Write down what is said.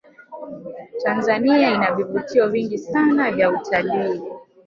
tanzania ina vivutio vingi sana vya utalii